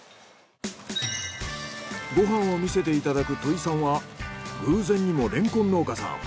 ご飯を見せていただく戸井さんは偶然にもレンコン農家さん。